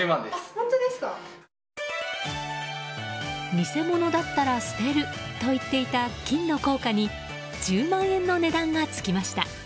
偽物だったら捨てると言っていた金の硬貨に１０万円の値段が付きました。